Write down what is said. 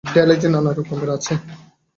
ঢেলা যে নানা রকমের আছে।